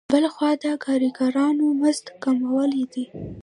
بل خوا د کارګرانو د مزد کموالی دی